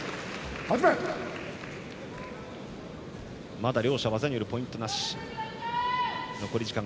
まだ両者、技によるポイントなし。